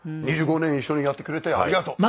２５年一緒にやってくれてありがとう。